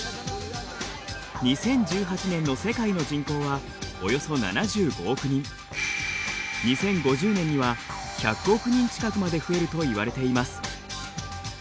２０１８年の世界の人口はおよそ２０５０年には１００億人近くまで増えるといわれています。